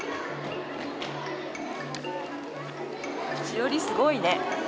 しおりすごいね。